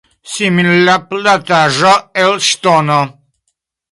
Simila plataĵo el ŝtono.